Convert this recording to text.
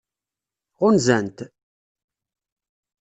Ɣunzan-t?